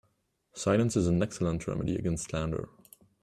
Silence is an excellent remedy against slander.